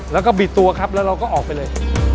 แล้วก็บิดตัวครับแล้วเราก็ออกไปเลย